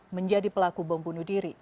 menjadi pelaku bom bunuh diri